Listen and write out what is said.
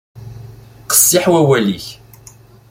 Qessiḥ wawal-ik.